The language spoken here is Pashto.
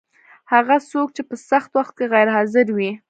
هغه څوک چې په سخت وخت کي غیر حاضر وي